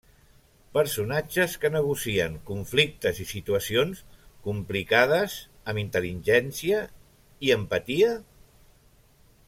Personatges que negocien conflictes i situacions complicades amb intel·ligència i empatia?